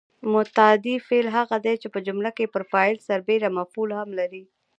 متعدي فعل هغه دی چې په جمله کې پر فاعل سربېره مفعول هم لري.